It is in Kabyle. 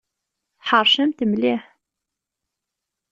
Tḥeṛcemt mliḥ!